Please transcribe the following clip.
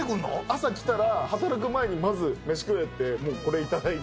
朝来たら、働く前にまず、飯食えって、もうこれ頂いて。